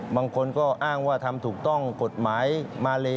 บางคนก็อ้างว่าทำถูกต้องกฎหมายมาเล